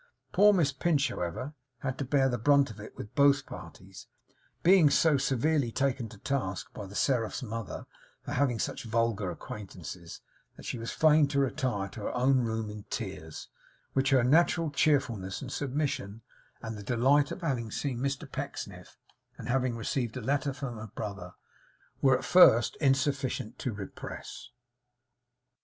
Poor Miss Pinch, however, had to bear the brunt of it with both parties; being so severely taken to task by the Seraph's mother for having such vulgar acquaintances, that she was fain to retire to her own room in tears, which her natural cheerfulness and submission, and the delight of having seen Mr Pecksniff, and having received a letter from her brother, were at first insufficient to repress.